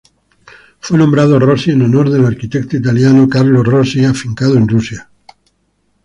Fue nombrado Rossi en honor al arquitecto italiano Carlo Rossi afincado en Rusia.